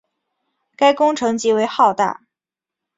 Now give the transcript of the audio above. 该工程极为浩大。